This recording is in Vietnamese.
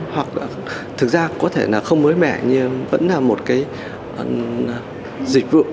hoặc thực ra có thể là không mới mẻ nhưng vẫn là một cái dịch vụ